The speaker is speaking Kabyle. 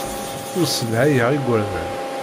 Ur ssedhayeɣ igerdan.